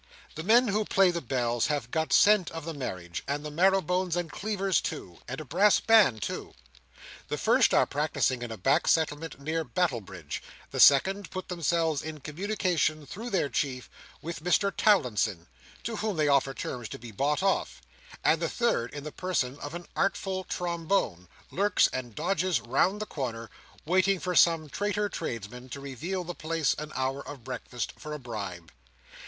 The men who play the bells have got scent of the marriage; and the marrow bones and cleavers too; and a brass band too. The first, are practising in a back settlement near Battlebridge; the second, put themselves in communication, through their chief, with Mr Towlinson, to whom they offer terms to be bought off; and the third, in the person of an artful trombone, lurks and dodges round the corner, waiting for some traitor tradesman to reveal the place and hour of breakfast, for a bribe.